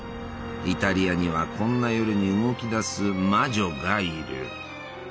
イタリアにはこんな夜に動き出す魔女がいる。